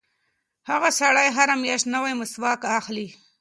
هغه سړی هره میاشت نوی مسواک اخلي.